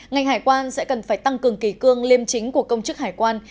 ngành hải quan sẽ cần phải tăng cường kỳ cương liêm chính của công chức hải quan